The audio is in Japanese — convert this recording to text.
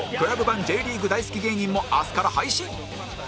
ＣＬＵＢ 版 Ｊ リーグ大好き芸人も明日から配信